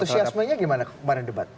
antusiasmenya gimana mana debat